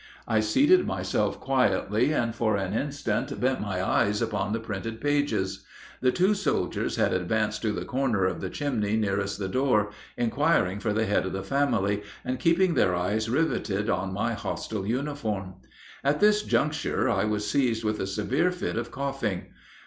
I seated myself quietly, and for an instant bent my eyes upon the printed pages. The two soldiers had advanced to the corner of the chimney nearest the door, inquiring for the head of the family, and keeping their eyes riveted on my hostile uniform. At this juncture I was seized with a severe fit of coughing.